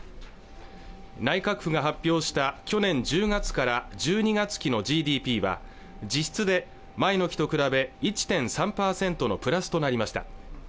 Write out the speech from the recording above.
内閣府が発表した去年１０月から１２月期のＧＤＰは実質で前の期と比べ１．３％のプラスとなりました